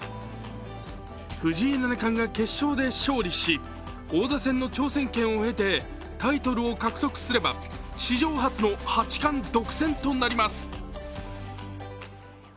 藤井七冠が決勝で勝利し、王座戦の挑戦権を得てタイトルを獲得すれば、史上初の八冠独占となります。